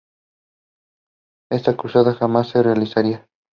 Esta cruzada jamás se realizaría.